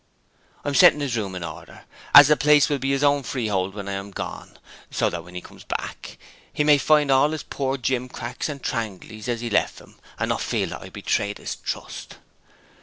I am setting his room in order, as the place will be his own freehold when I am gone, so that when he comes back he may find all his poor jim cracks and trangleys as he left 'em, and not feel that I have betrayed his trust.'